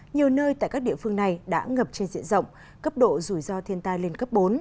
nhiều nơi tại các địa phương này đã ngập trên diện rộng cấp độ rủi ro thiên tai lên cấp bốn